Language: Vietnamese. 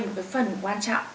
một cái phần quan trọng